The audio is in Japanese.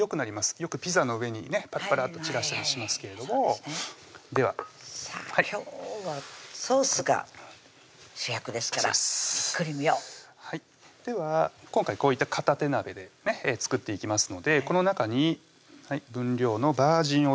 よくピザの上にパラパラッと散らしたりしますけれどもでは今日はソースが主役ですからじっくり見ようはいでは今回こういった片手鍋で作っていきますのでこの中に分量のバージンオリーブ油ですね